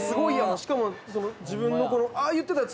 しかも自分の言ってたやつ